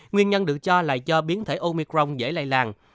nguyên nhân được cho là do biến thể omicron dễ lây lan